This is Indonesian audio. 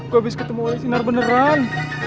gua abis ketemu alis sinar beneran